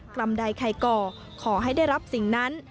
กรรมใดใครก่อขอให้ได้รับสิ่งนั้น